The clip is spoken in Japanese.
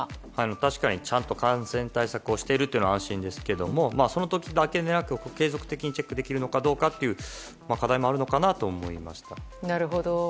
確かに、ちゃんと感染対策をしているというのは安心ですけれどもその時だけじゃなくて継続的にチェックできるのかなという課題もあるのかなと思いました。